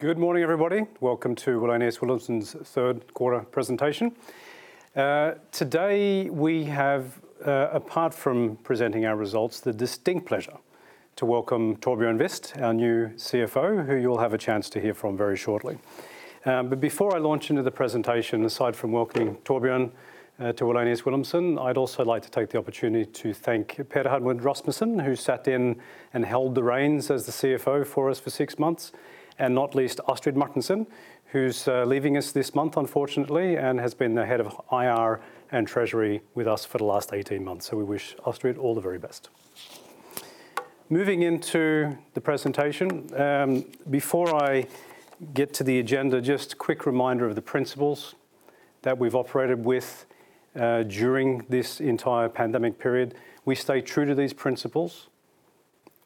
Good morning, everybody. Welcome to Wallenius Wilhelmsen's third quarter presentation. Today, we have, apart from presenting our results, the distinct pleasure to welcome Torbjørn Wist, our new CFO, who you'll have a chance to hear from very shortly. Before I launch into the presentation, aside from welcoming Torbjørn to Wallenius Wilhelmsen, I'd also like to take the opportunity to thank Per-Hermod Rasmussen, who sat in and held the reins as the CFO for us for six months, and not least Astrid Martinsen, who's leaving us this month unfortunately, and has been the Head of IR and Treasury with us for the last 18 months. We wish Astrid all the very best. Moving into the presentation. Before I get to the agenda, just a quick reminder of the principles that we've operated with during this entire pandemic period. We stay true to these principles.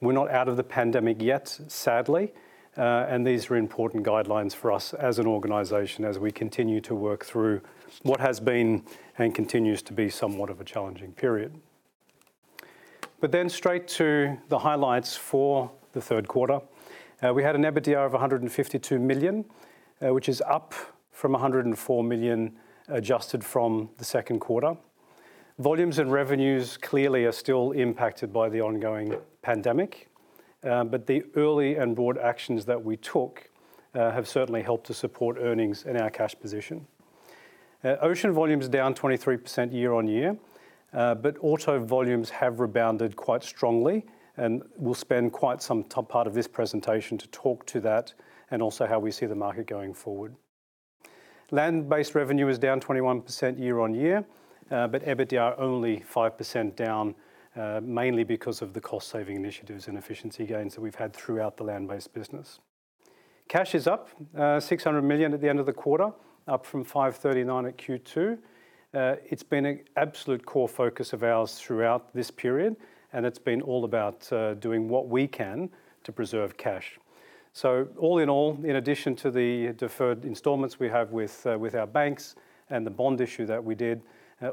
We're not out of the pandemic yet, sadly, and these are important guidelines for us as an organization, as we continue to work through what has been, and continues to be, somewhat of a challenging period. Straight to the highlights for the third quarter. We had an EBITDA of $152 million, which is up from $104 million, adjusted from the second quarter. Volumes and revenues clearly are still impacted by the ongoing pandemic. The early and broad actions that we took have certainly helped to support earnings and our cash position. Ocean volume is down 23% year-on-year, but auto volumes have rebounded quite strongly, and we'll spend quite some part of this presentation to talk to that and also how we see the market going forward. Land-based revenue is down 21% year-on-year, but EBITDA only 5% down, mainly because of the cost-saving initiatives and efficiency gains that we've had throughout the land-based business. Cash is at $600 million at the end of the quarter, up from $539 million at Q2. It's been an absolute core focus of ours throughout this period, and it's been all about doing what we can to preserve cash. All in all, in addition to the deferred installments we have with our banks and the bond issue that we did,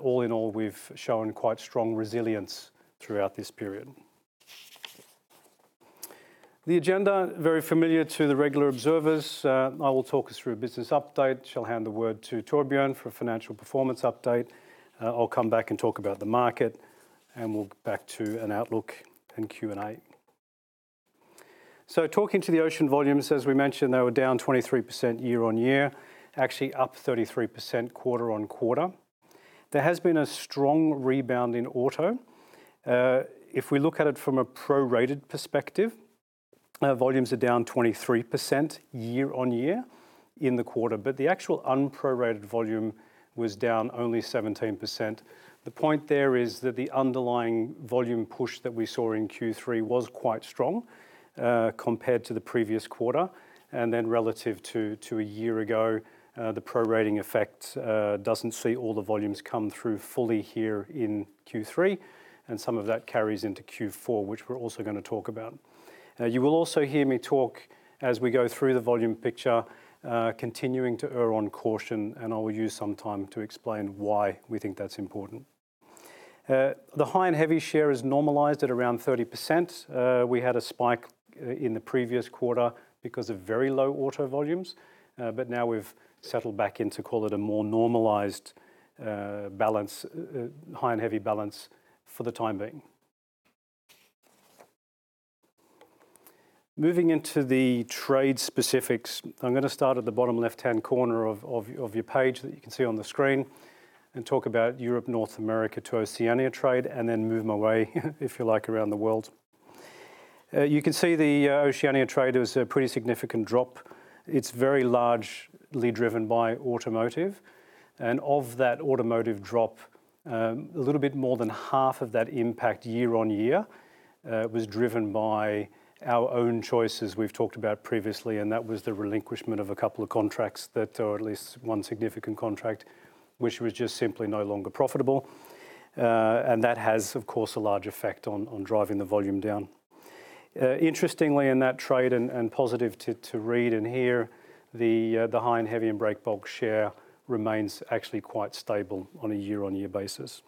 all in all, we've shown quite strong resilience throughout this period. The agenda, very familiar to the regular observers. I will talk us through a business update, shall hand the word to Torbjørn for a financial performance update. I'll come back and talk about the market, and we'll get back to an outlook and Q&A. Talking to the ocean volumes, as we mentioned, they were down 23% year-on-year, actually up 33% quarter-on-quarter. There has been a strong rebound in auto. If we look at it from a prorated perspective, volumes are down 23% year-on-year in the quarter. The actual unprorated volume was down only 17%. The point there is that the underlying volume push that we saw in Q3 was quite strong compared to the previous quarter. Relative to a year ago, the prorating effect doesn't see all the volumes come through fully here in Q3, and some of that carries into Q4, which we're also going to talk about. You will also hear me talk as we go through the volume picture, continuing to err on caution, and I will use some time to explain why we think that's important. The high-and-heavy share is normalized at around 30%. We had a spike in the previous quarter because of very low auto volumes. Now we've settled back into, call it, a more normalized high-and-heavy balance for the time being. Moving into the trade specifics. I'm going to start at the bottom left-hand corner of your page that you can see on the screen and talk about Europe, North America to Oceania trade, and then move my way if you like, around the world. You can see the Oceania trade was a pretty significant drop. It's very largely driven by automotive. Of that automotive drop, a little bit more than half of that impact year-on-year was driven by our own choices we've talked about previously, and that was the relinquishment of a couple of contracts that, or at least one significant contract, which was just simply no longer profitable. That has, of course, a large effect on driving the volume down. Interestingly in that trade and positive to read and hear, the high and heavy and break bulk share remains actually quite stable on a year-on-year basis.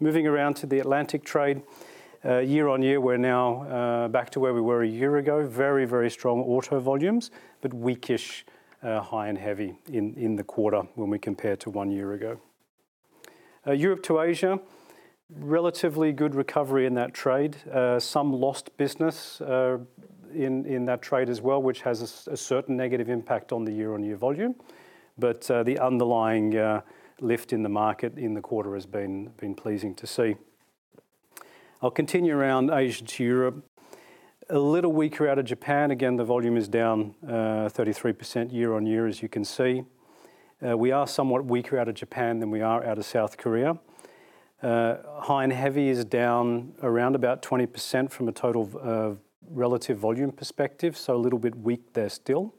Moving around to the Atlantic trade. Year-on-year, we're now back to where we were a year ago. Very, very strong auto volumes, weakish high and heavy in the quarter when we compare to one year ago. Europe to Asia, relatively good recovery in that trade. Some lost business in that trade as well, which has a certain negative impact on the year-on-year volume. The underlying lift in the market in the quarter has been pleasing to see. I'll continue around Asia to Europe. A little weaker out of Japan. Again, the volume is down 33% year-on-year, as you can see. We are somewhat weaker out of Japan than we are out of South Korea. high and heavy is down around about 20% from a total relative volume perspective, so a little bit weak there still.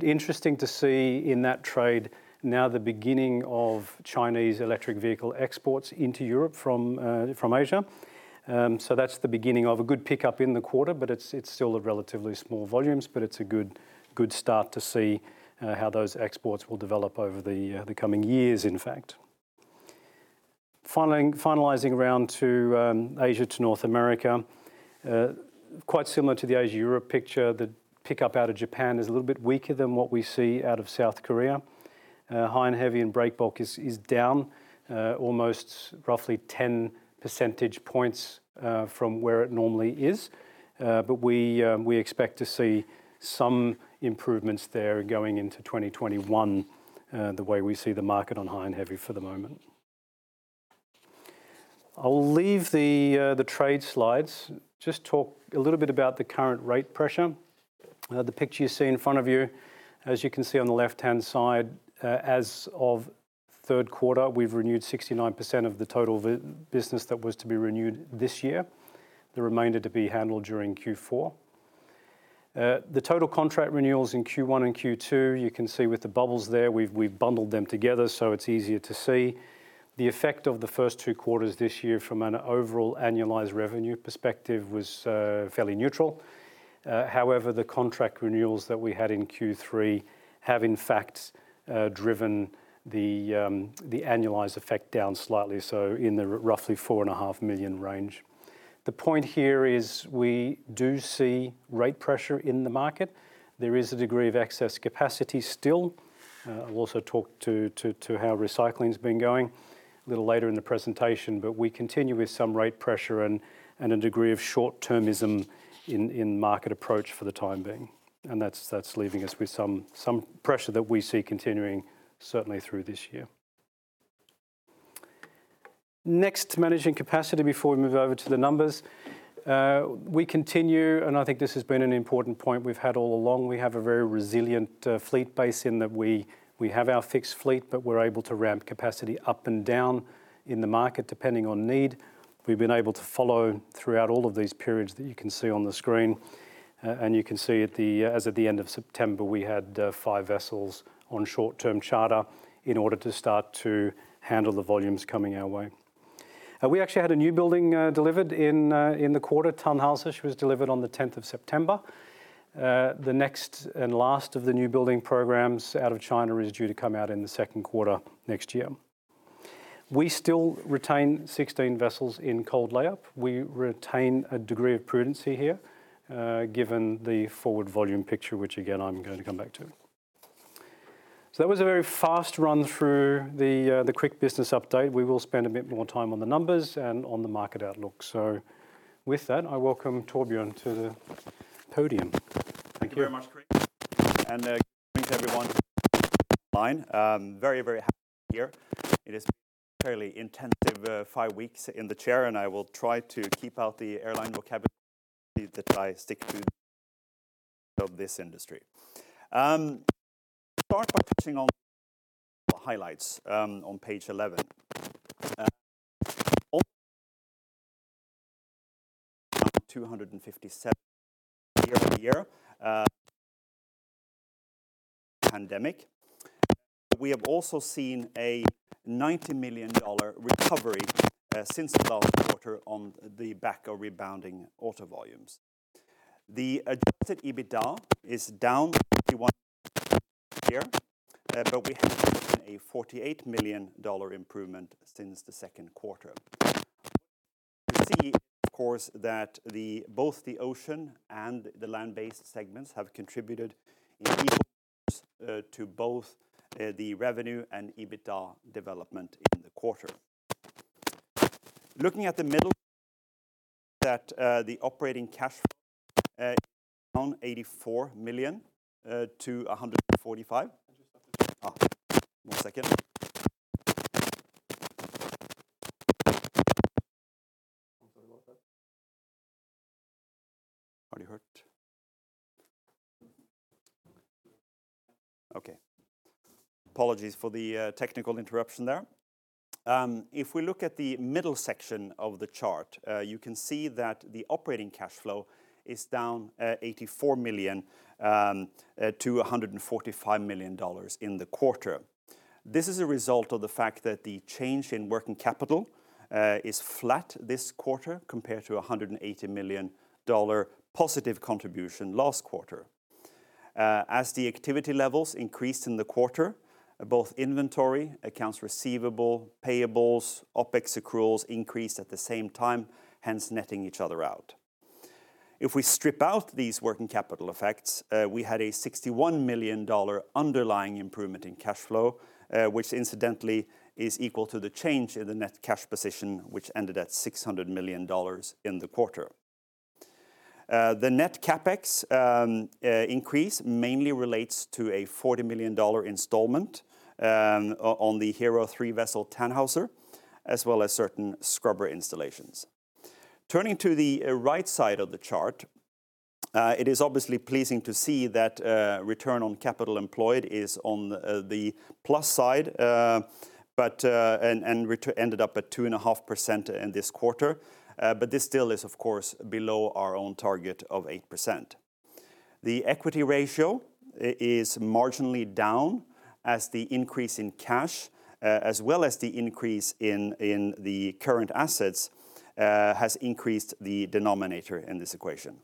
Interesting to see in that trade now the beginning of Chinese electric vehicle exports into Europe from Asia. That's the beginning of a good pickup in the quarter, but it's still at relatively small volumes, but it's a good start to see how those exports will develop over the coming years, in fact. Finalizing around to Asia to North America. Quite similar to the Asia-Europe picture, the pickup out of Japan is a little bit weaker than what we see out of South Korea. high and heavy and break bulk is down almost roughly 10 percentage points from where it normally is. We expect to see some improvements there going into 2021, the way we see the market on high and heavy for the moment. I'll leave the trade slides. Just talk a little bit about the current rate pressure. The picture you see in front of you, as you can see on the left-hand side, as of third quarter, we've renewed 69% of the total business that was to be renewed this year, the remainder to be handled during Q4. The total contract renewals in Q1 and Q2, you can see with the bubbles there, we've bundled them together, so it's easier to see. The effect of the first two quarters this year from an overall annualized revenue perspective was fairly neutral. However, the contract renewals that we had in Q3 have, in fact, driven the annualized effect down slightly, so in the roughly $4.5 million range. The point here is we do see rate pressure in the market. There is a degree of excess capacity still. I'll also talk to how recycling's been going a little later in the presentation. We continue with some rate pressure and a degree of short-termism in market approach for the time being, and that's leaving us with some pressure that we see continuing, certainly through this year. Next, managing capacity before we move over to the numbers. We continue, and I think this has been an important point we've had all along, we have a very resilient fleet base in that we have our fixed fleet, but we're able to ramp capacity up and down in the market depending on need. We've been able to follow throughout all of these periods that you can see on the screen. You can see as of the end of September, we had five vessels on short-term charter in order to start to handle the volumes coming our way. We actually had a new building delivered in the quarter, Tannhauser. She was delivered on the 10th of September. The next and last of the new building programs out of China is due to come out in the second quarter next year. We still retain 16 vessels in cold layup. We retain a degree of prudency here, given the forward volume picture, which again, I'm going to come back to. That was a very fast run through the quick business update. We will spend a bit more time on the numbers and on the market outlook. With that, I welcome Torbjørn to the podium. Thank you. Thank you very much, Craig. Good evening to everyone online. Very, very happy to be here. It has been a fairly intensive five weeks in the chair, and I will try to keep out the airline vocabulary, that I stick to of this industry. Start by touching on the highlights on page 11. Almost 257 [audtio distortion] year-over-year pandemic. We have also seen a $90 million recovery since the last quarter on the back of rebounding auto volumes. The adjusted EBITDA is down 29% year-over-year, but we have seen a $48 million improvement since the second quarter. You see, of course, that both the ocean and the land-based segments have contributed in equal parts to both the revenue and EBITDA development in the quarter. Looking at the middle that the operating cash flow is down $84 million to $145 million. Just one second. One second. I'm sorry about that. Hardly heard. Okay. Apologies for the technical interruption there. If we look at the middle section of the chart, you can see that the operating cash flow is down $84 million-$145 million in the quarter. This is a result of the fact that the change in working capital is flat this quarter, compared to a $180 million positive contribution last quarter. As the activity levels increased in the quarter, both inventory, accounts receivable, payables, OpEx accruals increased at the same time, hence netting each other out. If we strip out these working capital effects, we had a $61 million underlying improvement in cash flow, which incidentally is equal to the change in the net cash position, which ended at $600 million in the quarter. The net CapEx increase mainly relates to a $40 million installment on the HERO 3 vessel, Tannhauser, as well as certain scrubber installations. Turning to the right side of the chart, it is obviously pleasing to see that return on capital employed is on the plus side, and we ended up at 2.5% in this quarter. This still is, of course, below our own target of 8%. The equity ratio is marginally down, as the increase in cash, as well as the increase in the current assets, has increased the denominator in this equation.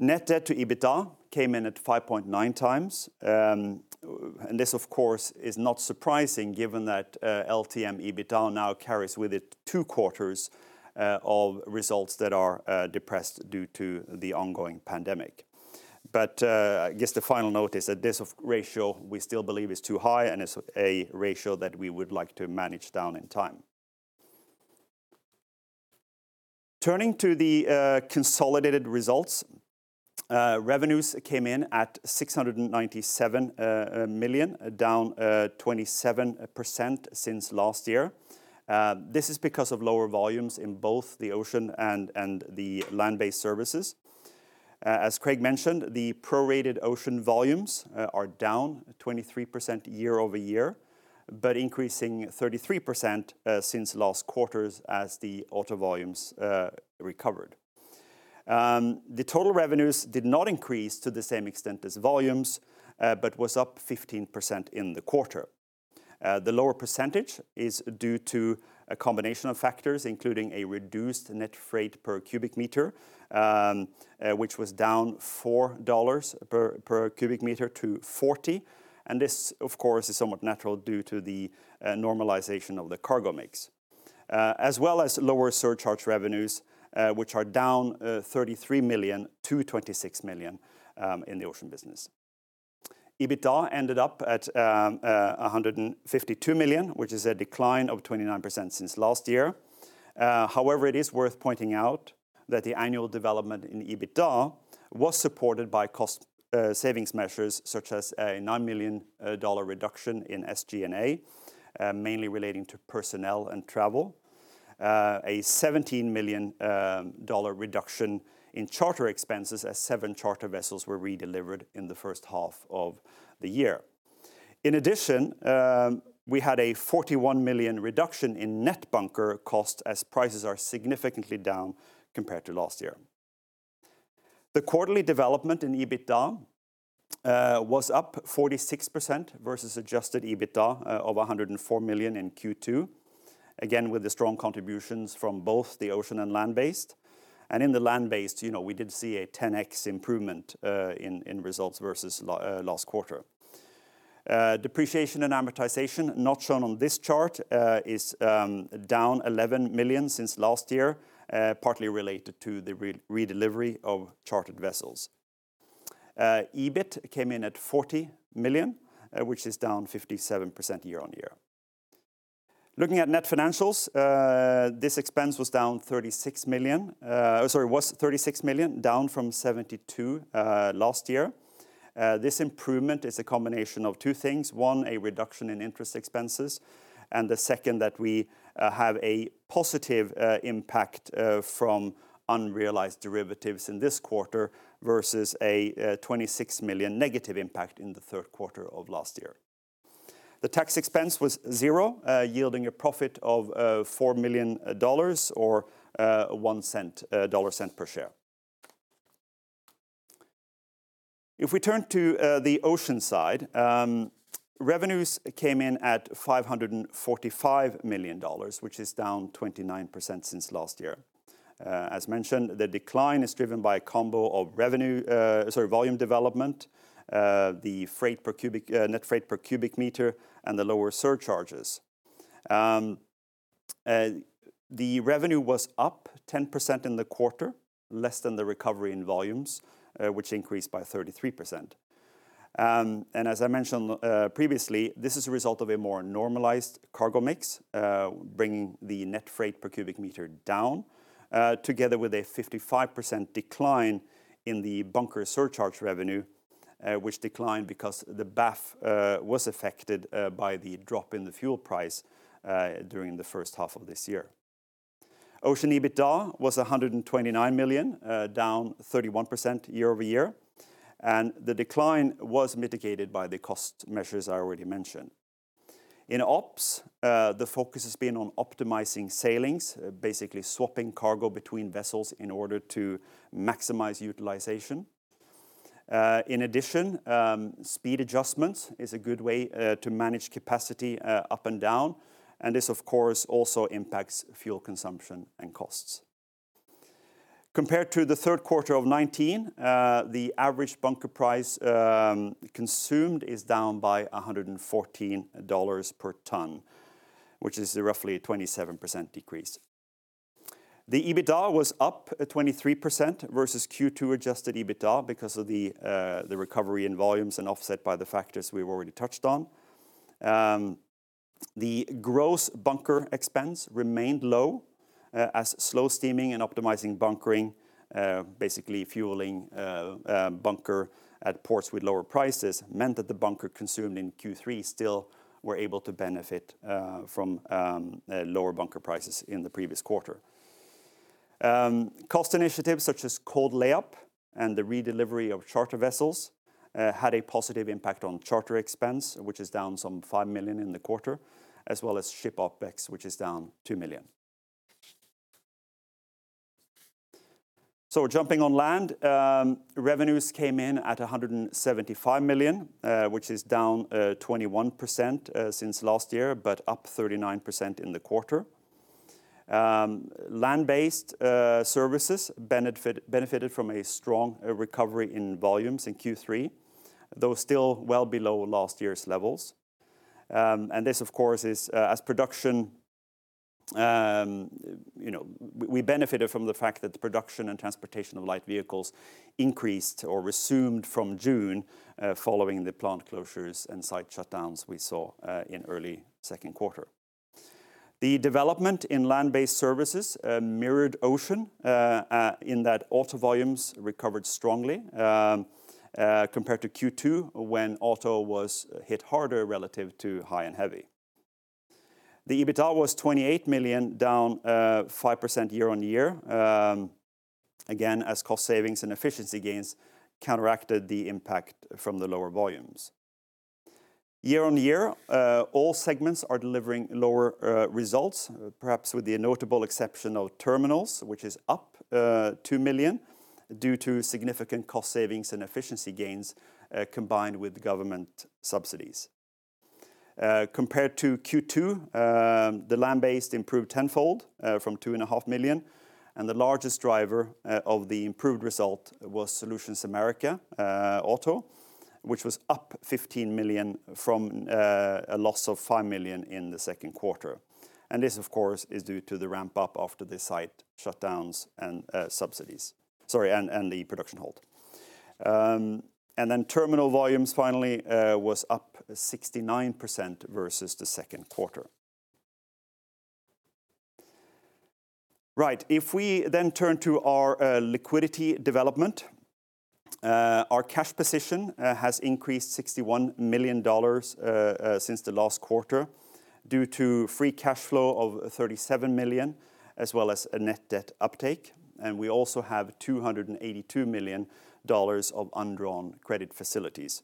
Net debt to EBITDA came in at 5.9x. This, of course, is not surprising given that LTM EBITDA now carries with it two quarters of results that are depressed due to the ongoing pandemic. I guess the final note is that this ratio we still believe is too high and is a ratio that we would like to manage down in time. Turning to the consolidated results, revenues came in at $697 million, down 27% since last year. This is because of lower volumes in both the ocean and the land-based services. As Craig mentioned, the prorated ocean volumes are down 23% year-over-year, increasing 33% since last quarters as the auto volumes recovered. The total revenues did not increase to the same extent as volumes, was up 15% in the quarter. The lower percentage is due to a combination of factors, including a reduced net freight per cubic meter, which was down $4 per cubic meter to $40. This, of course, is somewhat natural due to the normalization of the cargo mix, as well as lower surcharge revenues, which are down $33 million to $26 million in the ocean business. EBITDA ended up at $152 million, which is a decline of 29% since last year. However, it is worth pointing out that the annual development in EBITDA was supported by cost savings measures such as a $9 million reduction in SG&A, mainly relating to personnel and travel, a $17 million reduction in charter expenses as seven charter vessels were redelivered in the first half of the year. In addition, we had a $41 million reduction in net bunker cost as prices are significantly down compared to last year. The quarterly development in EBITDA was up 46% versus adjusted EBITDA of $104 million in Q2, again, with the strong contributions from both the ocean and land-based. In the land-based, we did see a 10x improvement in results versus last quarter. Depreciation and amortization not shown on this chart is down $11 million since last year, partly related to the redelivery of chartered vessels. EBIT came in at $40 million, which is down 57% year-on-year. Looking at net financials, this expense was $36 million, down from $72 million last year. This improvement is a combination of two things. One, a reduction in interest expenses, and the second that we have a positive impact from unrealized derivatives in this quarter versus a $26 million negative impact in the third quarter of last year. The tax expense was zero, yielding a profit of $4 million or $0.01 per share. If we turn to the ocean side, revenues came in at $545 million, which is down 29% since last year. As mentioned, the decline is driven by a combo of volume development, the net freight per cubic meter, and the lower surcharges. The revenue was up 10% in the quarter, less than the recovery in volumes, which increased by 33%. As I mentioned previously, this is a result of a more normalized cargo mix, bringing the net freight per cubic meter down, together with a 55% decline in the bunker surcharge revenue, which declined because the BAF was affected by the drop in the fuel price during the first half of this year. Ocean EBITDA was $129 million, down 31% year-over-year, and the decline was mitigated by the cost measures I already mentioned. In ops, the focus has been on optimizing sailings, basically swapping cargo between vessels in order to maximize utilization. In addition, speed adjustments is a good way to manage capacity up and down, and this, of course, also impacts fuel consumption and costs. Compared to the third quarter of 2019, the average bunker price consumed is down by $114 per tonne, which is roughly a 27% decrease. The EBITDA was up 23% versus Q2 adjusted EBITDA because of the recovery in volumes and offset by the factors we've already touched on. The gross bunker expense remained low as slow steaming and optimizing bunkering, basically fueling bunker at ports with lower prices, meant that the bunker consumed in Q3 still were able to benefit from lower bunker prices in the previous quarter. Cost initiatives such as cold layup and the redelivery of charter vessels had a positive impact on charter expense, which is down some $5 million in the quarter, as well as ship OpEx, which is down $2 million. Jumping on Land, revenues came in at $175 million, which is down 21% since last year, but up 39% in the quarter. Land-based services benefited from a strong recovery in volumes in Q3, though still well below last year's levels. We benefited from the fact that the production and transportation of light vehicles increased or resumed from June, following the plant closures and site shutdowns we saw in early second quarter. The development in land-based services mirrored ocean, in that auto volumes recovered strongly, compared to Q2 when auto was hit harder relative to high and heavy. The EBITDA was $28 million, down 5% year-on-year. Again, as cost savings and efficiency gains counteracted the impact from the lower volumes. Year-on-year, all segments are delivering lower results, perhaps with the notable exception of terminals, which is up $2 million due to significant cost savings and efficiency gains, combined with government subsidies. Compared to Q2, the land-based improved tenfold from $2 and a half million, and the largest driver of the improved result was Solutions America Auto, which was up $15 million from a loss of $5 million in the second quarter. This, of course, is due to the ramp-up after the site shutdowns and the production hold. Terminal volumes, finally, was up 69% versus the second quarter. If we turn to our liquidity development, our cash position has increased $61 million since the last quarter due to free cash flow of $37 million, as well as a net debt uptake, and we also have $282 million of undrawn credit facilities.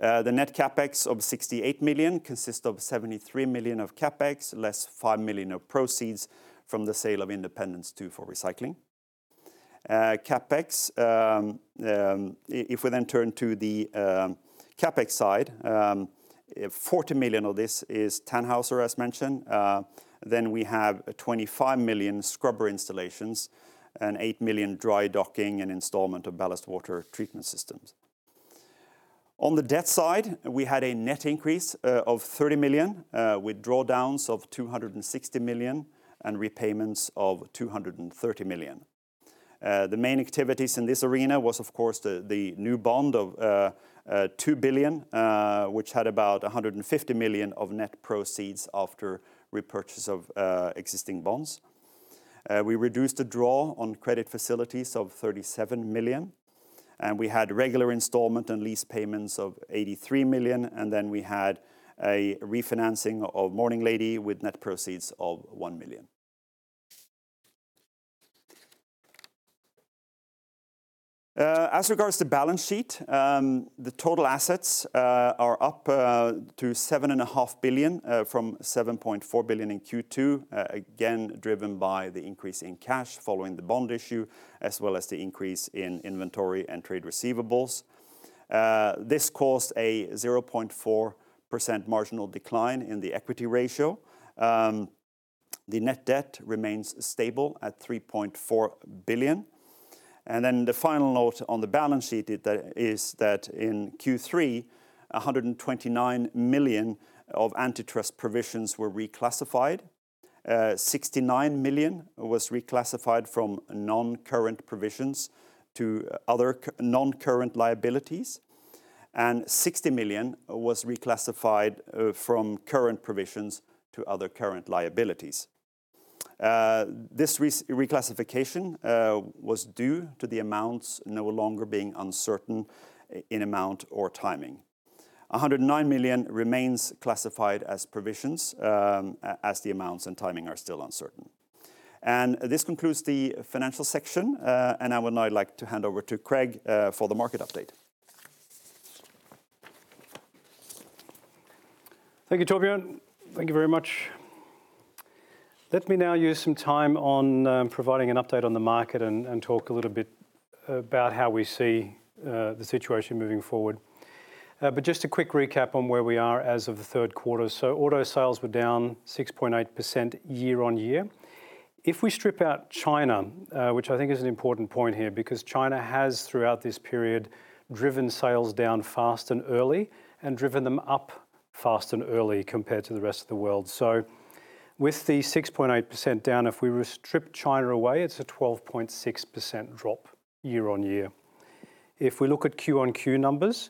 The net CapEx of $68 million consists of $73 million of CapEx, less $5 million of proceeds from the sale of Independence II for recycling. If we turn to the CapEx side, $40 million of this is Tannhauser, as mentioned. We have $25 million scrubber installations and $8 million dry docking and installment of ballast water treatment systems. On the debt side, we had a net increase of $30 million with drawdowns of $260 million and repayments of $230 million. The main activities in this arena was, of course, the new bond of 2 billion, which had about $150 million of net proceeds after repurchase of existing bonds. We reduced a draw on credit facilities of $37 million. We had regular installment and lease payments of $83 million. We had a refinancing of Morning Lady with net proceeds of $1 million. As regards to balance sheet, the total assets are up to $7.5 billion from $7.4 billion in Q2, again, driven by the increase in cash following the bond issue, as well as the increase in inventory and trade receivables. This caused a 0.4% marginal decline in the equity ratio. The net debt remains stable at $3.4 billion. The final note on the balance sheet is that in Q3, $129 million of antitrust provisions were reclassified. $69 million was reclassified from non-current provisions to other non-current liabilities, and $60 million was reclassified from current provisions to other current liabilities. This reclassification was due to the amounts no longer being uncertain in amount or timing. $109 million remains classified as provisions, as the amounts and timing are still uncertain. This concludes the financial section. I would now like to hand over to Craig for the market update. Thank you, Torbjørn. Thank you very much. Let me now use some time on providing an update on the market and talk a little bit about how we see the situation moving forward. Just a quick recap on where we are as of the third quarter. Auto sales were down 6.8% year-on-year. If we strip out China, which I think is an important point here, because China has, throughout this period, driven sales down fast and early and driven them up fast and early compared to the rest of the world. With the 6.8% down, if we strip China away, it's a 12.6% drop year-on-year. If we look at quarter-con-quarter numbers,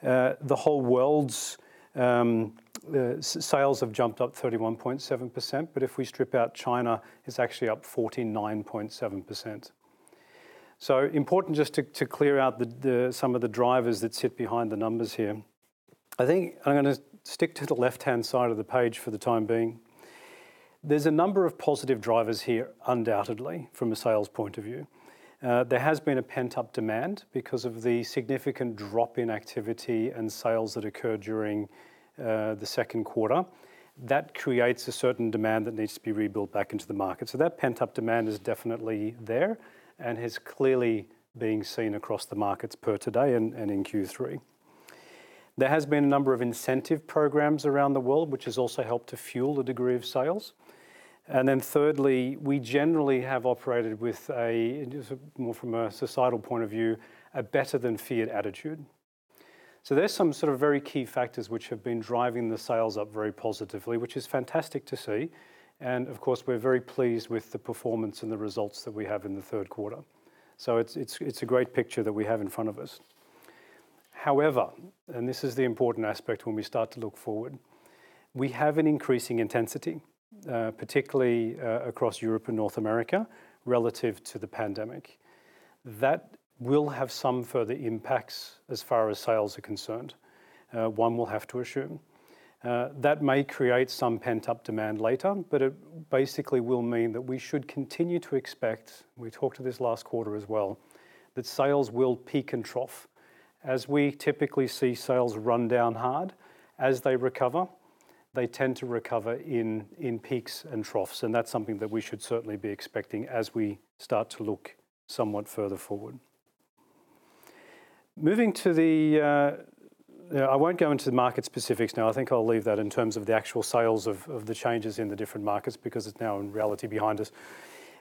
the whole world's sales have jumped up 31.7%, but if we strip out China, it's actually up 49.7%. Important just to clear out some of the drivers that sit behind the numbers here. I think I'm going to stick to the left-hand side of the page for the time being. There's a number of positive drivers here, undoubtedly, from a sales point of view. There has been a pent-up demand because of the significant drop in activity and sales that occurred during the second quarter. That creates a certain demand that needs to be rebuilt back into the market. That pent-up demand is definitely there and is clearly being seen across the markets per today and in Q3. There has been a number of incentive programs around the world, which has also helped to fuel the degree of sales. Thirdly, we generally have operated with a, more from a societal point of view, a better than feared attitude. There's some sort of very key factors which have been driving the sales up very positively, which is fantastic to see. Of course, we're very pleased with the performance and the results that we have in the third quarter. It's a great picture that we have in front of us. However, this is the important aspect when we start to look forward, we have an increasing intensity, particularly across Europe and North America, relative to the pandemic. That will have some further impacts as far as sales are concerned, one will have to assume. That may create some pent-up demand later, but it basically will mean that we should continue to expect, we talked to this last quarter as well, that sales will peak and trough. We typically see sales run down hard, as they recover, they tend to recover in peaks and troughs, and that's something that we should certainly be expecting as we start to look somewhat further forward. I won't go into the market specifics now. I think I'll leave that in terms of the actual sales of the changes in the different markets, because it's now in reality behind us.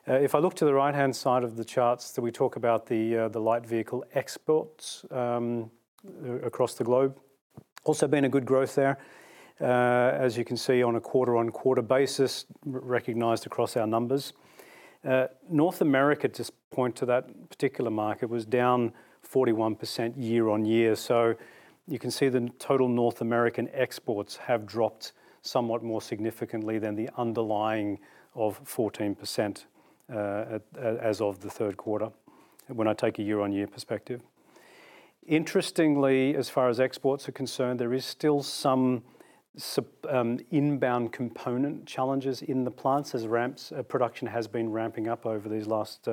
If I look to the right-hand side of the charts that we talk about, the light vehicle exports across the globe, also been a good growth there. As you can see on a quarter-on-quarter basis, recognized across our numbers. North America, just point to that particular market, was down 41% year-on-year. You can see the total North American exports have dropped somewhat more significantly than the underlying of 14% as of the third quarter, when I take a year-on-year perspective. Interestingly, as far as exports are concerned, there is still some inbound component challenges in the plants as production has been ramping up over these last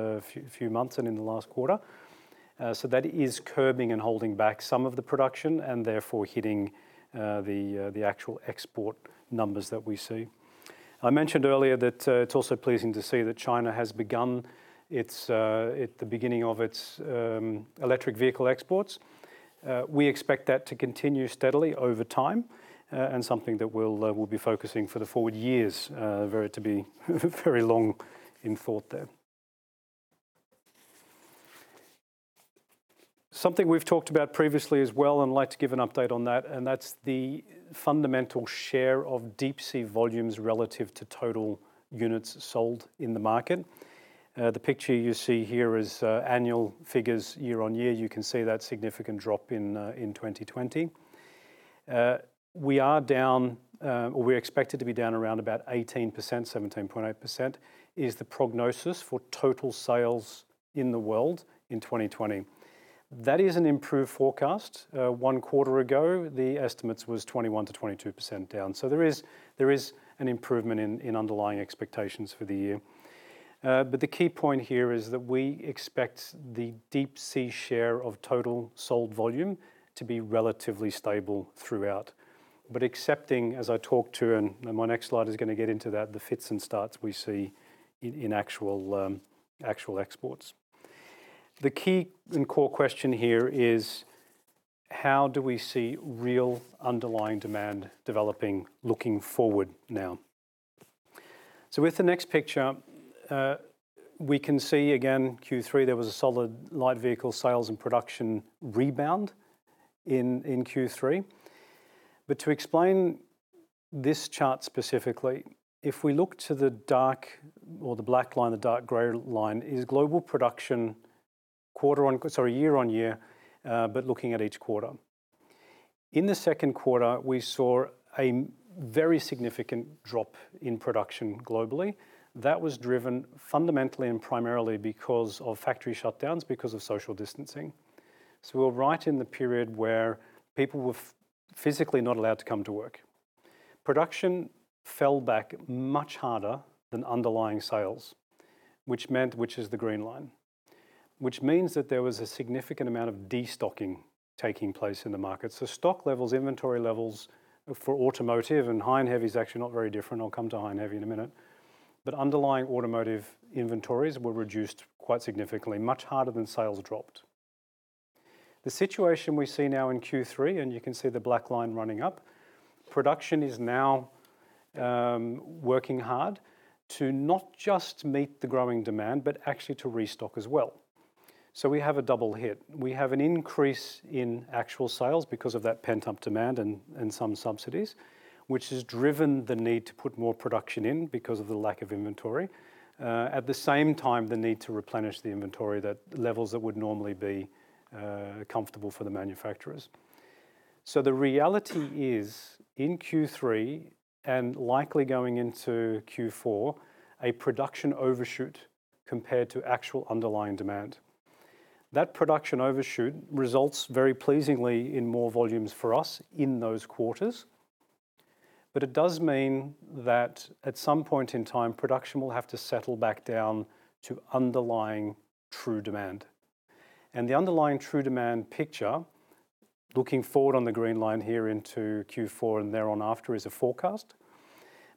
few months and in the last quarter. That is curbing and holding back some of the production and therefore hitting the actual export numbers that we see. I mentioned earlier that it's also pleasing to see that China has begun the beginning of its electric vehicle exports. We expect that to continue steadily over time and something that we'll be focusing for the forward years, to be very long in thought there. Something we've talked about previously as well, and I'd like to give an update on that, and that's the fundamental share of deep sea volumes relative to total units sold in the market. The picture you see here is annual figures year-on-year. You can see that significant drop in 2020. We are down, or we're expected to be down around about 18%, 17.8% is the prognosis for total sales in the world in 2020. That is an improved forecast. One quarter ago, the estimates was 21%-22% down. There is an improvement in underlying expectations for the year. The key point here is that we expect the deep sea share of total sold volume to be relatively stable throughout. Excepting, as I talked to, and my next slide is going to get into that, the fits and starts we see in actual exports. The key and core question here is how do we see real underlying demand developing looking forward now? With the next picture, we can see again, Q3, there was a solid light vehicle sales and production rebound in Q3. To explain this chart specifically, if we look to the dark or the black line, the dark gray line, is global production year-on-year, but looking at each quarter. In the second quarter, we saw a very significant drop in production globally. That was driven fundamentally and primarily because of factory shutdowns, because of social distancing. We're right in the period where people were physically not allowed to come to work. Production fell back much harder than underlying sales. Which is the green line. Which means that there was a significant amount of de-stocking taking place in the market. Stock levels, inventory levels for automotive, and high and heavy is actually not very different. I'll come to high and heavy in a minute. Underlying automotive inventories were reduced quite significantly, much harder than sales dropped. The situation we see now in Q3, and you can see the black line running up, production is now working hard to not just meet the growing demand, but actually to restock as well. We have a double hit. We have an increase in actual sales because of that pent-up demand and some subsidies, which has driven the need to put more production in because of the lack of inventory. At the same time, the need to replenish the inventory, the levels that would normally be comfortable for the manufacturers. The reality is in Q3 and likely going into Q4, a production overshoot compared to actual underlying demand. That production overshoot results very pleasingly in more volumes for us in those quarters. It does mean that at some point in time, production will have to settle back down to underlying true demand. The underlying true demand picture, looking forward on the green line here into Q4 and thereon after, is a forecast.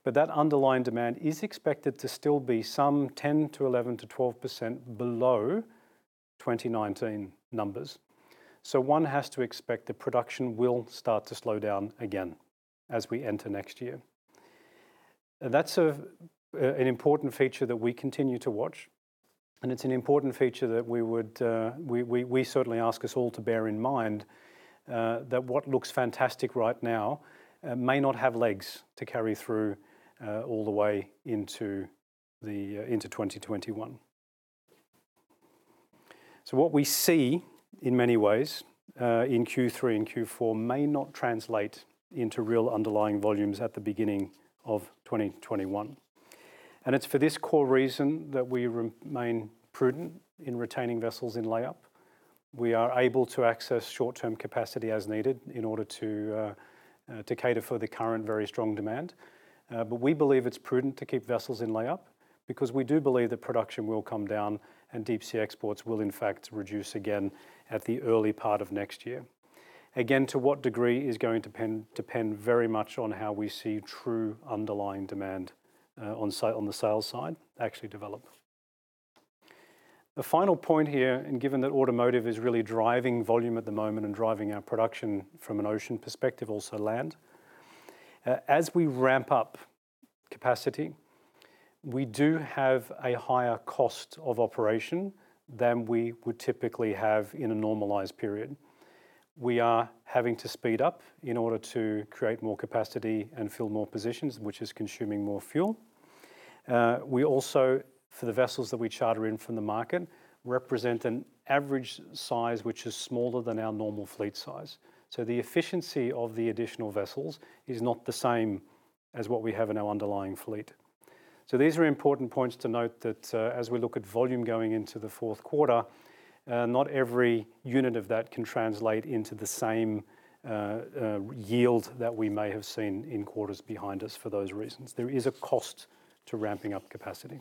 But that underlying demand is expected to still be some 10% to 11% to 12% below 2019 numbers. One has to expect that production will start to slow down again as we enter next year. That's an important feature that we continue to watch, and it's an important feature that we certainly ask us all to bear in mind that what looks fantastic right now may not have legs to carry through all the way into 2021. What we see, in many ways, in Q3 and Q4 may not translate into real underlying volumes at the beginning of 2021. It's for this core reason that we remain prudent in retaining vessels in layup. We are able to access short-term capacity as needed in order to cater for the current very strong demand. We believe it's prudent to keep vessels in layup because we do believe that production will come down and deep sea exports will in fact reduce again at the early part of next year. Again, to what degree is going to depend very much on how we see true underlying demand on the sales side actually develop. The final point here, and given that automotive is really driving volume at the moment and driving our production from an ocean perspective, also Land. As we ramp up capacity, we do have a higher cost of operation than we would typically have in a normalized period. We are having to speed up in order to create more capacity and fill more positions, which is consuming more fuel. We also, for the vessels that we charter in from the market, represent an average size which is smaller than our normal fleet size. The efficiency of the additional vessels is not the same as what we have in our underlying fleet. These are important points to note that as we look at volume going into the fourth quarter, not every unit of that can translate into the same yield that we may have seen in quarters behind us for those reasons. There is a cost to ramping up capacity.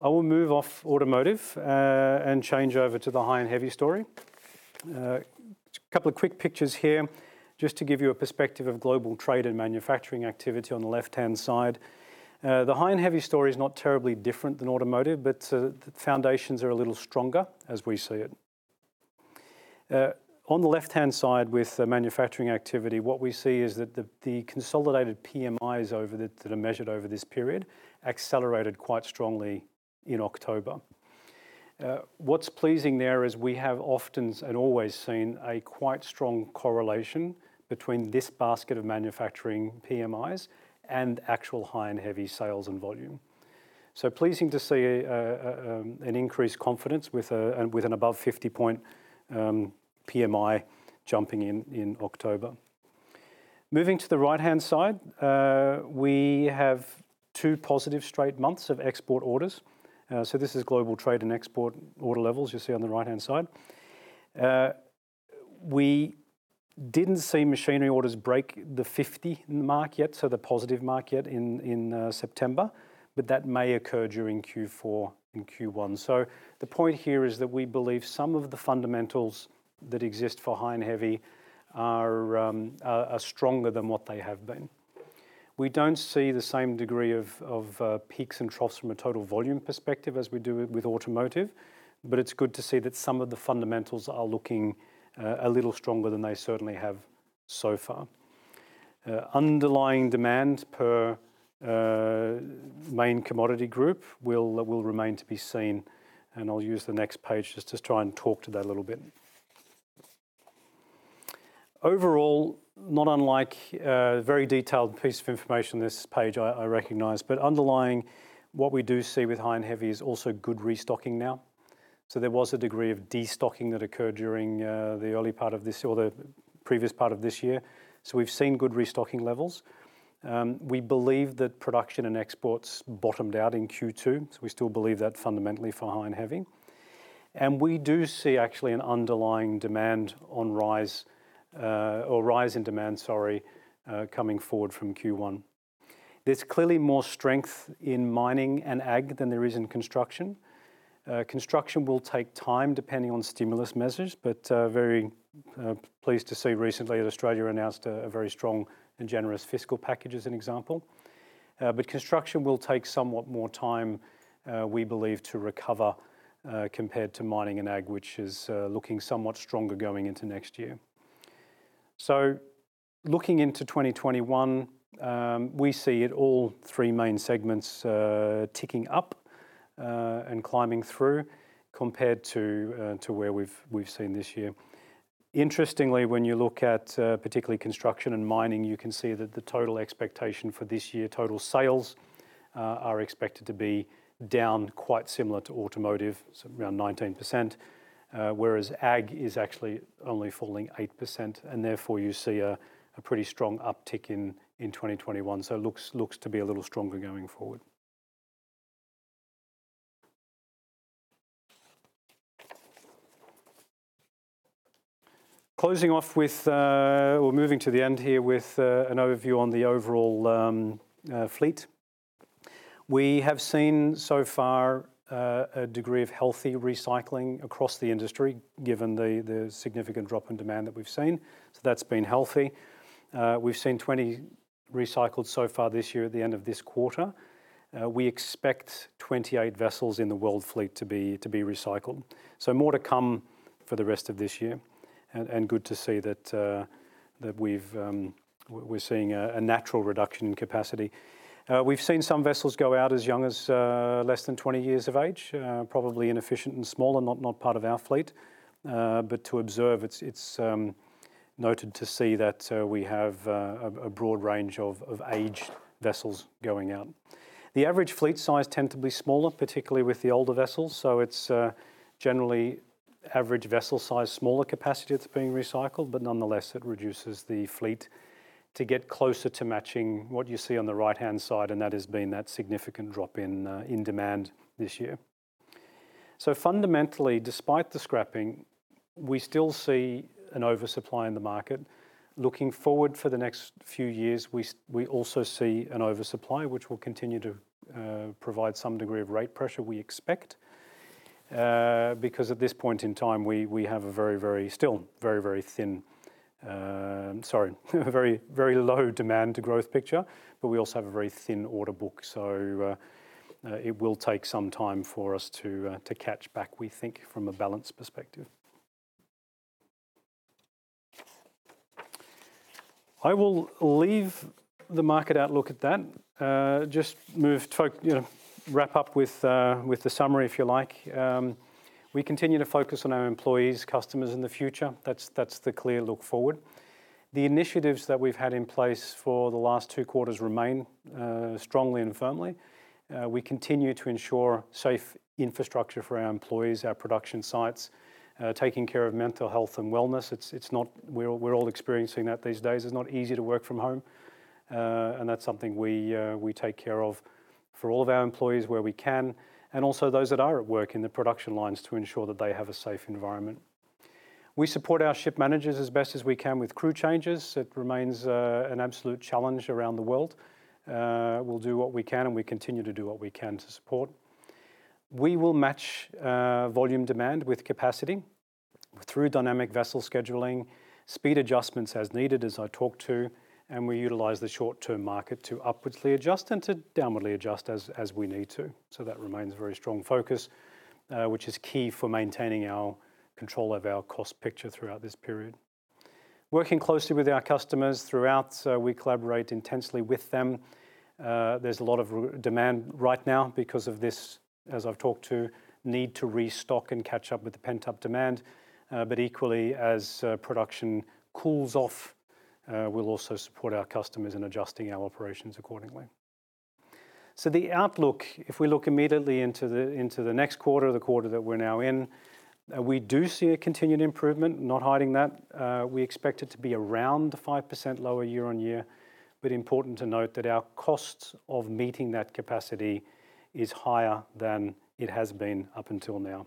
I will move off automotive and change over to the high and heavy story. A couple of quick pictures here just to give you a perspective of global trade and manufacturing activity on the left-hand side. The high and heavy story is not terribly different than automotive, but the foundations are a little stronger as we see it. On the left-hand side with the manufacturing activity, what we see is that the consolidated PMIs that are measured over this period accelerated quite strongly in October. What's pleasing there is we have often and always seen a quite strong correlation between this basket of manufacturing PMIs and actual high and heavy sales and volume. Pleasing to see an increased confidence with an above 50-point PMI jumping in in October. Moving to the right-hand side, we have two positive straight months of export orders. This is global trade and export order levels you see on the right-hand side. We didn't see machinery orders break the 50 mark yet, the positive mark yet in September, that may occur during Q4 and Q1. The point here is that we believe some of the fundamentals that exist for high and heavy are stronger than what they have been. We don't see the same degree of peaks and troughs from a total volume perspective as we do with automotive, but it's good to see that some of the fundamentals are looking a little stronger than they certainly have so far. Underlying demand per main commodity group will remain to be seen. I'll use the next page just to try and talk to that a little bit. Not unlike a very detailed piece of information, this page I recognize. Underlying what we do see with high and heavy is also good restocking now. There was a degree of destocking that occurred during the early part of this or the previous part of this year. We've seen good restocking levels. We believe that production and exports bottomed out in Q2. We still believe that fundamentally for high and heavy. We do see actually an underlying demand on rise, or rise in demand, sorry, coming forward from Q1. There is clearly more strength in mining and ag than there is in construction. Construction will take time depending on stimulus measures, but very pleased to see recently that Australia announced a very strong and generous fiscal package as an example. Construction will take somewhat more time, we believe, to recover compared to mining and ag, which is looking somewhat stronger going into next year. Looking into 2021, we see all three main segments ticking up and climbing through compared to where we have seen this year. Interestingly, when you look at particularly construction and mining, you can see that the total expectation for this year, total sales are expected to be down quite similar to automotive, around 19%, whereas ag is actually only falling 8%, and therefore you see a pretty strong uptick in 2021. It looks to be a little stronger going forward. Closing off with or moving to the end here with an overview on the overall fleet. We have seen so far a degree of healthy recycling across the industry, given the significant drop in demand that we've seen. That's been healthy. We've seen 20 recycled so far this year at the end of this quarter. We expect 28 vessels in the world fleet to be recycled. More to come for the rest of this year, and good to see that we're seeing a natural reduction in capacity. We've seen some vessels go out as young as less than 20 years of age, probably inefficient and small and not part of our fleet. To observe, it's noted to see that we have a broad range of aged vessels going out. The average fleet size tend to be smaller, particularly with the older vessels. It's generally average vessel size, smaller capacity that's being recycled, but nonetheless, it reduces the fleet to get closer to matching what you see on the right-hand side, and that has been that significant drop in demand this year. Fundamentally, despite the scrapping, we still see an oversupply in the market. Looking forward for the next few years, we also see an oversupply, which will continue to provide some degree of rate pressure we expect. At this point in time, we have a very still, very low demand to growth picture, but we also have a very thin order book. It will take some time for us to catch back, we think, from a balance perspective. I will leave the market outlook at that. Just wrap up with the summary, if you like. We continue to focus on our employees, customers in the future. That's the clear look forward. The initiatives that we've had in place for the last two quarters remain strongly and firmly. We continue to ensure safe infrastructure for our employees, our production sites, taking care of mental health and wellness. We're all experiencing that these days. It's not easy to work from home. That's something we take care of for all of our employees where we can, and also those that are at work in the production lines to ensure that they have a safe environment. We support our ship managers as best as we can with crew changes. It remains an absolute challenge around the world. We'll do what we can, and we continue to do what we can to support. We will match volume demand with capacity through dynamic vessel scheduling, speed adjustments as needed, as I talked to, and we utilize the short-term market to upwardsly adjust and to downwardly adjust as we need to. That remains a very strong focus, which is key for maintaining our control of our cost picture throughout this period. Working closely with our customers throughout, so we collaborate intensely with them. There's a lot of demand right now because of this, as I've talked to, need to restock and catch up with the pent-up demand. Equally, as production cools off, we'll also support our customers in adjusting our operations accordingly. The outlook, if we look immediately into the next quarter, the quarter that we're now in, we do see a continued improvement, not hiding that. We expect it to be around 5% lower year-on-year. Important to note that our costs of meeting that capacity is higher than it has been up until now.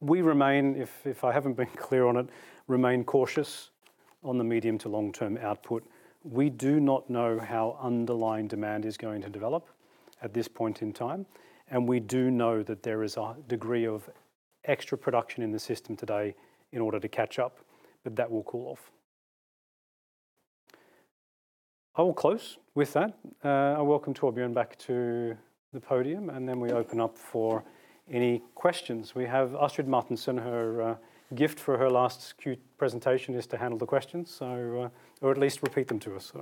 We remain, if I haven't been clear on it, remain cautious on the medium to long-term output. We do not know how underlying demand is going to develop at this point in time, and we do know that there is a degree of extra production in the system today in order to catch up, but that will cool off. I will close with that. I welcome Torbjørn back to the podium, and then we open up for any questions. We have Astrid Martinsen. Her gift for her last presentation is to handle the questions, or at least repeat them to us.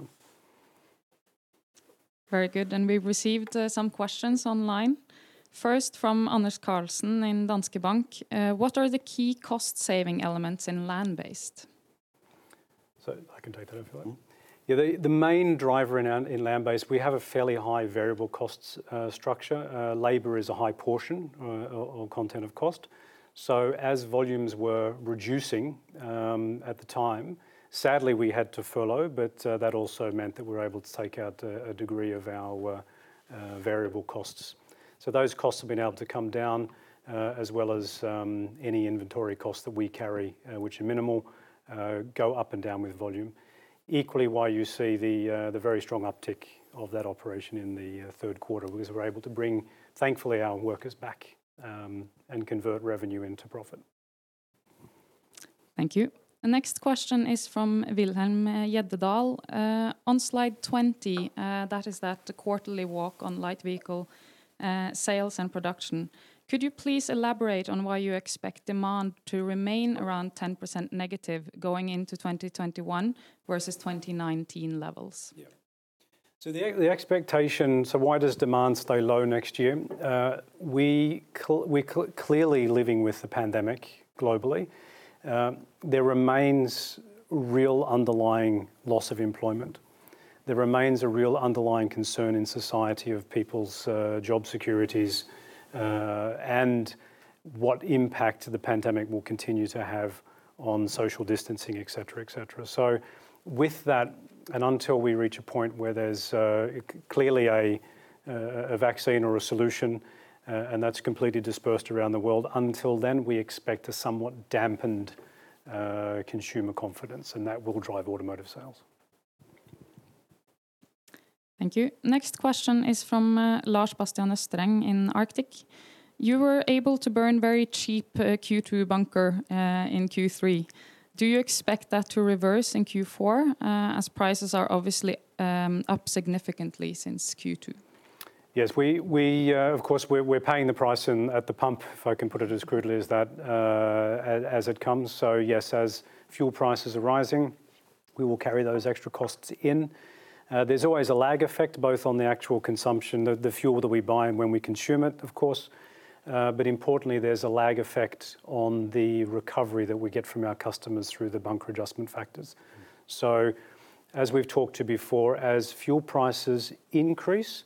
Very good. We've received some questions online. First from Anders Karlsen in Danske Bank. "What are the key cost-saving elements in land-based? I can take that if you like. The main driver in land-based, we have a fairly high variable cost structure. Labor is a high portion or content of cost. As volumes were reducing at the time, sadly, we had to furlough, but that also meant that we were able to take out a degree of our variable costs. Those costs have been able to come down, as well as any inventory costs that we carry, which are minimal, go up and down with volume. Equally, why you see the very strong uptick of that operation in the third quarter was we were able to bring, thankfully, our workers back and convert revenue into profit. Thank you. The next question is from Wilhelm Gjedde-Dahl. "On slide 20," that is that quarterly walk on light vehicle sales and production. "Could you please elaborate on why you expect demand to remain around 10% negative going into 2021 versus 2019 levels? Yeah. Why does demand stay low next year? We're clearly living with the pandemic globally. There remains real underlying loss of employment. There remains a real underlying concern in society of people's job securities, and what impact the pandemic will continue to have on social distancing, et cetera. With that, until we reach a point where there's clearly a vaccine or a solution, and that's completely dispersed around the world. Until then, we expect a somewhat dampened consumer confidence, that will drive automotive sales. Thank you. Next question is from Lars Bastian Østereng in Arctic. "You were able to burn very cheap Q2 bunker in Q3. Do you expect that to reverse in Q4, as prices are obviously up significantly since Q2?" Yes. Of course, we're paying the price at the pump, if I can put it as crudely as that, as it comes. Yes, as fuel prices are rising, we will carry those extra costs in. There's always a lag effect, both on the actual consumption, the fuel that we buy and when we consume it, of course. Importantly, there's a lag effect on the recovery that we get from our customers through the bunker adjustment factors. As we've talked to before, as fuel prices increase,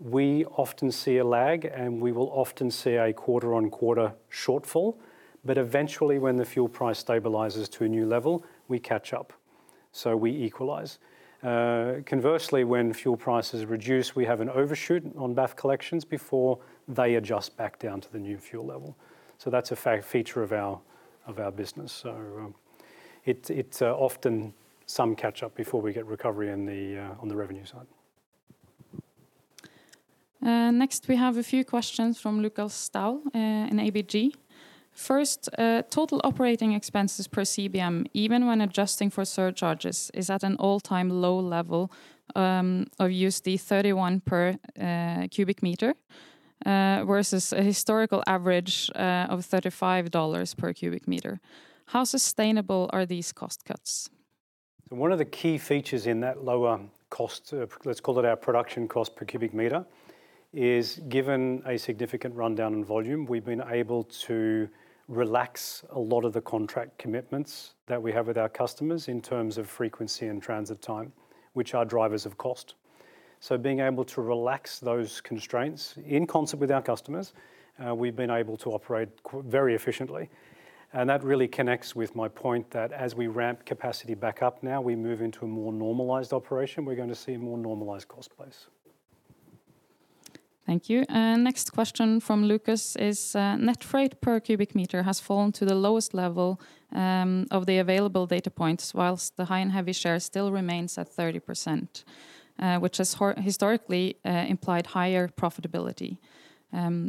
we often see a lag, and we will often see a quarter-on-quarter shortfall. Eventually, when the fuel price stabilizes to a new level, we catch up. We equalize. Conversely, when fuel prices reduce, we have an overshoot on BAF collections before they adjust back down to the new fuel level. That's a feature of our business. It's often some catch-up before we get recovery on the revenue side. Next, we have a few questions from Lukas Daul in ABG. "First, total operating expenses per CBM, even when adjusting for surcharges, is at an all-time low level of $31 per cubic meter, versus a historical average of $35 per cubic meter. How sustainable are these cost cuts?" One of the key features in that lower cost, let's call it our production cost per cubic meter, is given a significant rundown in volume. We've been able to relax a lot of the contract commitments that we have with our customers in terms of frequency and transit time, which are drivers of cost. Being able to relax those constraints in concert with our customers, we've been able to operate very efficiently, and that really connects with my point that as we ramp capacity back up now, we move into a more normalized operation. We're going to see more normalized cost base. Thank you. Next question from Lukas is net freight per cubic meter has fallen to the lowest level of the available data points, whilst the high and heavy share still remains at 30%, which has historically implied higher profitability.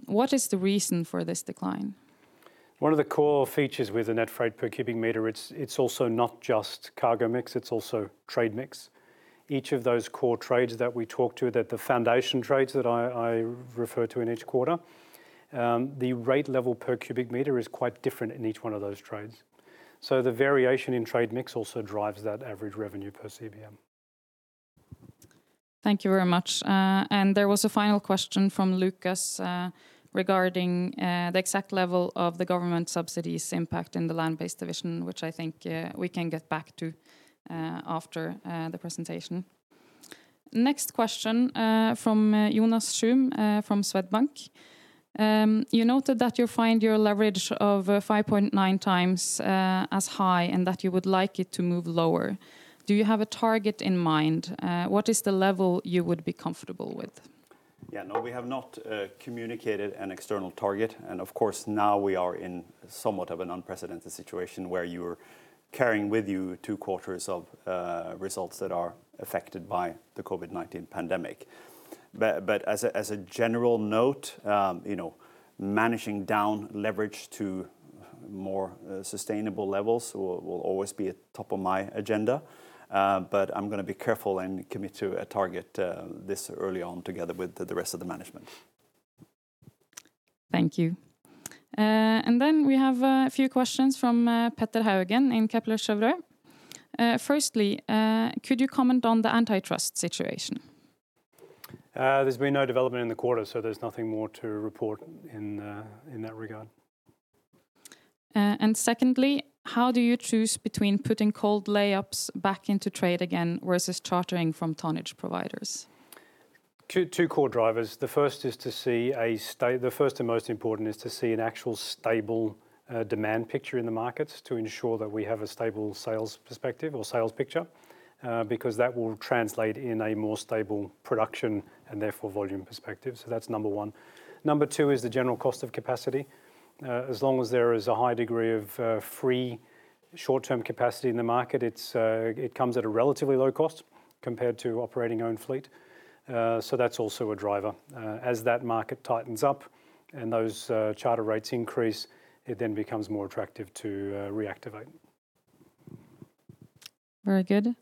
What is the reason for this decline? One of the core features with the net freight per cubic meter, it's also not just cargo mix, it's also trade mix. Each of those core trades that we talk to, the foundation trades that I refer to in each quarter, the rate level per cubic meter is quite different in each one of those trades. The variation in trade mix also drives that average revenue per CBM. Thank you very much. There was a final question from Lukas regarding the exact level of the government subsidies impact in the land-based division, which I think we can get back to after the presentation. Next question, from Jonas Shum from Swedbank. "You noted that you find your leverage of 5.9x as high and that you would like it to move lower. Do you have a target in mind? What is the level you would be comfortable with?" Yeah, no, we have not communicated an external target. Of course, now we are in somewhat of an unprecedented situation where you're carrying with you two quarters of results that are affected by the COVID-19 pandemic. As a general note, managing down leverage to more sustainable levels will always be at the top of my agenda. I'm going to be careful and commit to a target this early on together with the rest of the management. Thank you. Then we have a few questions from Petter Haugen in Kepler Cheuvreux. "Firstly, could you comment on the antitrust situation?" There's been no development in the quarter, so there's nothing more to report in that regard. "Secondly, how do you choose between putting cold layups back into trade again, versus chartering from tonnage providers?" Two core drivers. The first and most important is to see an actual stable demand picture in the market to ensure that we have a stable sales perspective or sales picture, because that will translate in a more stable production and therefore volume perspective. That's number one. Number two is the general cost of capacity. As long as there is a high degree of free short-term capacity in the market, it comes at a relatively low cost compared to operating own fleet. That's also a driver. As that market tightens up and those charter rates increase, it then becomes more attractive to reactivate. Very good.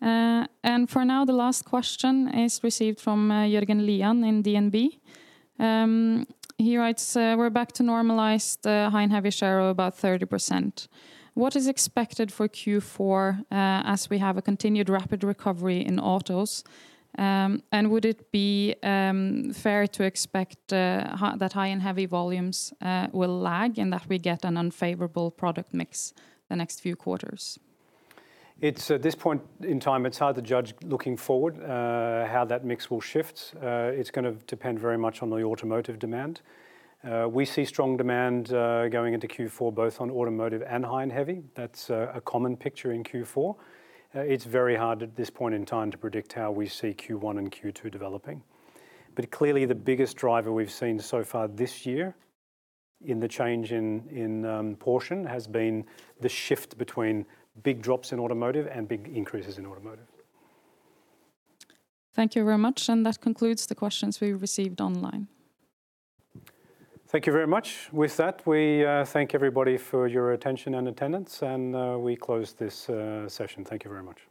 For now, the last question is received from Jørgen Lian in DNB. He writes: We're back to normalized high and heavy share of about 30%. What is expected for Q4 as we have a continued rapid recovery in autos? Would it be fair to expect that high and heavy volumes will lag and that we get an unfavorable product mix the next few quarters? At this point in time, it's hard to judge looking forward how that mix will shift. It's going to depend very much on the automotive demand. We see strong demand going into Q4, both on automotive and high and heavy. That's a common picture in Q4. It's very hard at this point in time to predict how we see Q1 and Q2 developing. Clearly the biggest driver we've seen so far this year in the change in portion has been the shift between big drops in automotive and big increases in automotive. Thank you very much. That concludes the questions we received online. Thank you very much. With that, we thank everybody for your attention and attendance, and we close this session. Thank you very much.